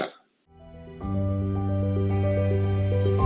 perkembangan ini kembali meningkatkan aliran modal ke negara berkembang